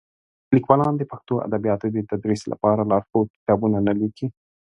لیکوالان د پښتو ادبیاتو د تدریس لپاره لارښود کتابونه نه لیکي.